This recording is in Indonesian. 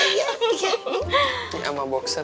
ini ama boksen